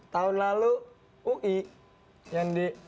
tahun lalu ui yang di